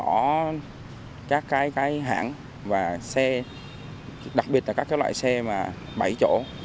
có các cái hãng và xe đặc biệt là các loại xe bảy chỗ